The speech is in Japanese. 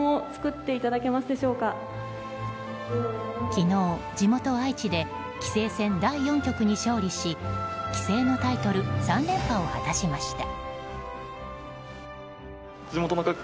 昨日、地元・愛知で棋聖戦第４局に勝利し棋聖のタイトル３連覇を果たしました。